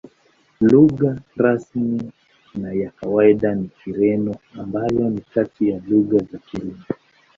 Lugha rasmi na ya kawaida ni Kireno, ambayo ni kati ya lugha za Kirumi.